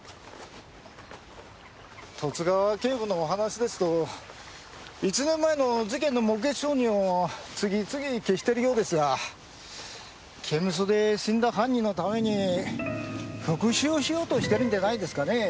十津川警部のお話ですと１年前の事件の目撃証人を次々に消しているようですが刑務所で死んだ犯人のために復讐をしようとしてるんじゃないですかねえ。